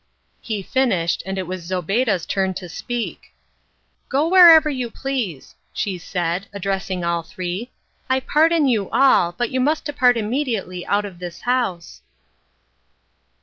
He finished, and it was Zobeida's turn to speak: "Go wherever you please," she said, addressing all three. "I pardon you all, but you must depart immediately out of this house."